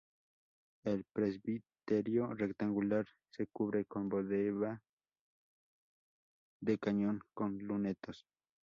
El presbiterio rectangular se cubre con bóveda de cañón con lunetos.